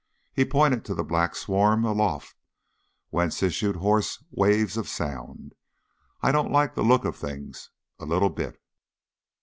He pointed to the black swarm aloft, whence issued hoarse waves of sound. "I don't like the look of things, a little bit."